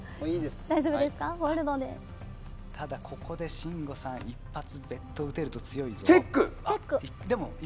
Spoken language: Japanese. ただ、ここで信五さん一発ベット打てると強いですよ。